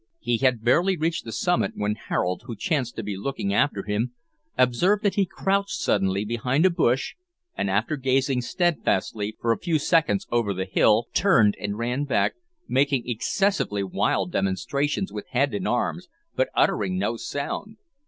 He had barely reached the summit when Harold, who chanced to be looking after him, observed that he crouched suddenly behind a bush, and, after gazing steadfastly for a few seconds over the hill, turned and ran back, making excessively wild demonstrations with head and arms, but uttering no sound.